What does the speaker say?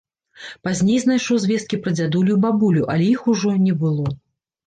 Пазней знайшоў звесткі пра дзядулю і бабулю, але іх ужо не было.